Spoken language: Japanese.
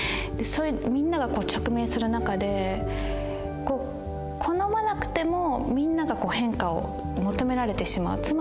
そういうみんなが直面する中で好まなくてもみんなが変化を求められてしまう。